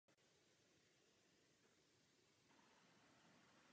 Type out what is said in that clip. V dalších letech vypadl z užšího výběru reprezentace.